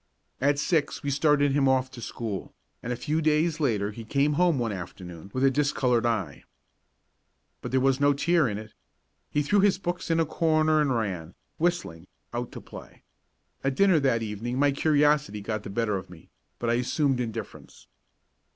At six we started him off to school, and a few days later he came home one afternoon with a discoloured eye. But there was no tear in it. He threw his books in a corner and ran, whistling, out to play. At dinner that evening my curiosity got the better of me, but I assumed indifference.